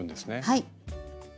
はい。